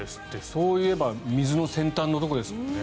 そういえば水の先端のところですもんね。